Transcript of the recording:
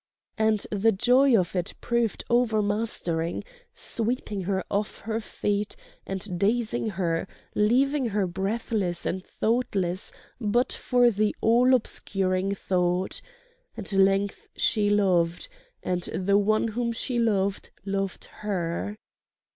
And the joy of it proved overmastering, sweeping her off her feet and dazing her, leaving her breathless and thoughtless but for the all obscuring thought—at length she loved, and the one whom she loved loved her!